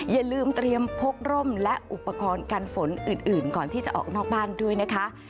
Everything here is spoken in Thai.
อย่าลืมเตรียมพกร่มและอุปกรณ์กันฝนอื่นก่อนที่จะออกนอกบ้านด้วยนะคะ